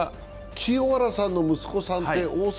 清原さんの息子さんって大阪？